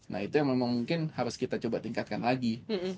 nah itu yang memang mungkin harus kita coba tingkatkan lagi